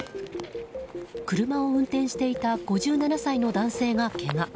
車を運転していた５７歳の男性がけが。